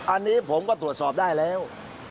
อันนี้ผมก็ตรวจสอบได้แล้ว